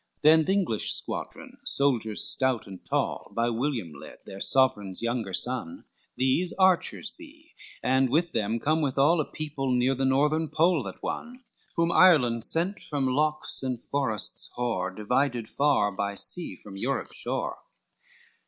Then the English squadron, soldiers stout and tall, By William led, their sovereign's younger son, These archers be, and with them come withal, A people near the Northern Pole that wone, Whom Ireland sent from loughs and forests hoar, Divided far by sea from Europe's shore.